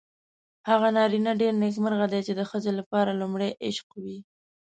هغه نارینه ډېر نېکمرغه دی چې د ښځې لپاره لومړی عشق وي.